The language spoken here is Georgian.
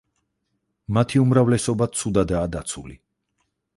მათი უმრავლესობა ცუდადაა დაცული.